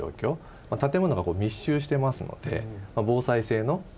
建物が密集してますので防災性の課題があると。